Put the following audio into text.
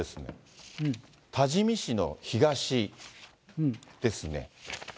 多治見市の東ですね。